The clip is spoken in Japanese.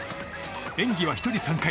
演技は１人３回。